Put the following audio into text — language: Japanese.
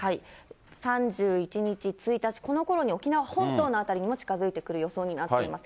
３１日、１日、このころに沖縄本島の辺りにも近づいてくる予想になっています。